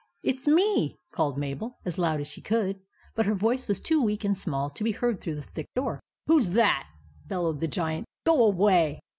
" It 's me," called Mabel, as loud as she could ; but her voice was too weak and small to be heard through the thick door. " WHO 'S THAT? " bellowed the Giant " GO AWAY